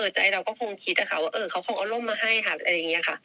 ใจเราก็คงคิดนะคะว่าเขาคงเอาร่มมาให้ค่ะอะไรอย่างนี้ค่ะ